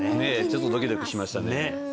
ちょっとドキドキしましたねねえ